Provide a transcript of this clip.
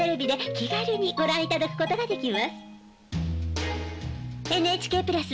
気軽にご覧いただくことができます。